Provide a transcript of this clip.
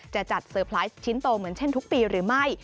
จะจัดเตอร์ไพรส์ชิ้นโตเหมือนเช่นทุกปีหรือไม่